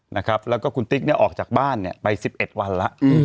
นะครับแล้วก็คุณติ๊กเนี่ยออกจากบ้านเนี่ยไป๑๑วันแล้ว